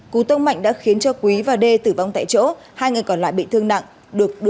cú tông mạnh đã khiến cho quý và đê tử vong tại chỗ hai người còn lại bị thương nặng được đưa đi cấp cứu